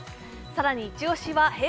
さらにイチ押しはＨｅｙ！